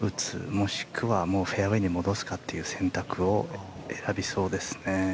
もしくは、フェアウェーに戻すかという選択を選びそうですね。